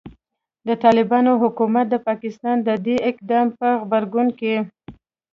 د طالبانو حکومت د پاکستان د دې اقدام په غبرګون کې